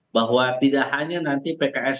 bahwa tidak hanya nanti pks pkb kita membutuhkan ya